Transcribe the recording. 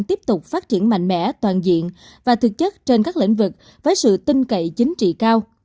tiếp tục phát triển mạnh mẽ toàn diện và thực chất trên các lĩnh vực với sự tin cậy chính trị cao